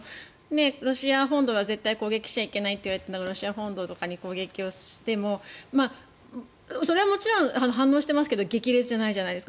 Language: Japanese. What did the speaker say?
ロシア本土は絶対に攻撃しちゃいけないといわれているのがロシア本土とかに攻撃してもそれはもちろん反応はしてますが激烈じゃないじゃないですか。